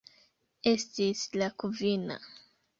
Estis la kvina.